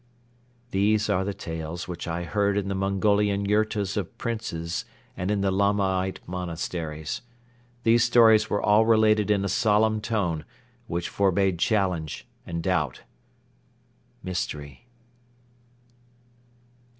These are the tales which I heard in the Mongolian yurtas of Princes and in the Lamaite monasteries. These stories were all related in a solemn tone which forbade challenge and doubt. Mystery.